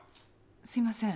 すいません。